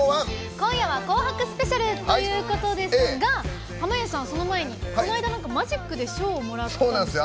今夜は「紅白ＳＰＥＣＩＡＬ」ということですが濱家さん、その前にこの間、マジックで賞をもらったんですよね？